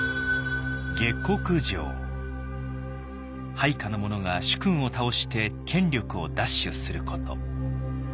配下の者が主君を倒して権力を奪取すること。